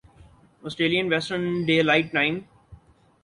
Australian western day light time